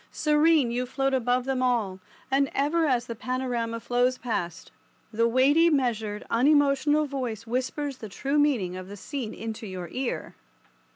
Serene you float above them all, and ever as the panorama flows past, the weighty measured unemotional voice whispers the true meaning of the scene into your ear.